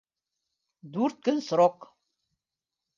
Дүрт көн срок.